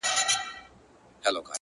دا جلادان ستا له زاریو سره کار نه لري.!